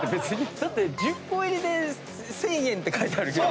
だって１０個入りで１，０００円って書いてあるけど。